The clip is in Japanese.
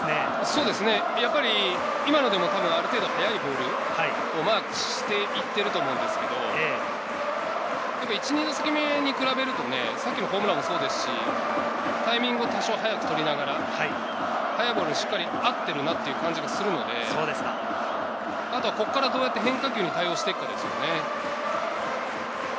そうですね、今でもある程度、速いボールをマークして行っていると思うんですけど、１・２打席目に比べると、さっきのホームランもそうですし、タイミングを多少早く取りながら、速いボールにしっかり合ってるなという感じがするので、あとはここからどうやって変化球に対応していくかですね。